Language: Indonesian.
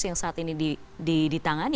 yang saat ini di tangan